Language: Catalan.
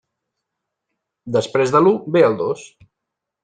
Després de l'u ve el dos.